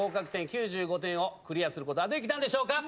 ９５点をクリアすることはできたんでしょうか